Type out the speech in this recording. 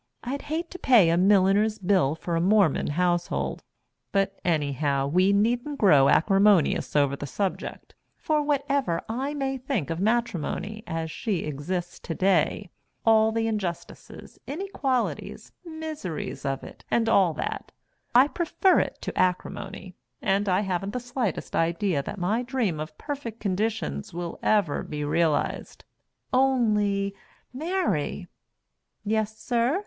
I'd hate to pay a milliner's bill for a Mormon household but anyhow we needn't grow acrimonious over the subject, for whatever I may think of matrimony as she exists to day, all the injustices, inequalities, miseries of it, and all that, I prefer it to acrimony, and I haven't the slightest idea that my dream of perfect conditions will ever be realized. Only, Mary " "Yessir?"